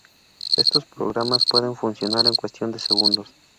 Estos programas pueden funcionar en cuestión de segundos.